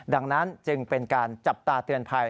ดังนั้นจึงเป็นการจับตาเตือนภัย